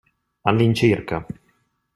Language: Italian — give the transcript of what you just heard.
All'incirca.